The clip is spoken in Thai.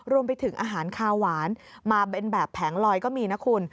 รวมไปถึงอาหารคาวหวานมาเป็นแบบแผงลอยก็มีนะคุณ